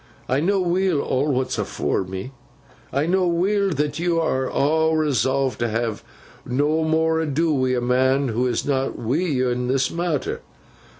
I know weel, aw what's afore me. I know weel that yo aw resolve to ha nommore ado wi' a man who is not wi' yo in this matther.